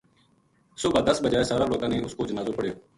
صبح دس بجے سارا لوکاں نے اس کو جنازو پڑھیو